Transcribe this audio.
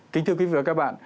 kính thưa quý vị và các bạn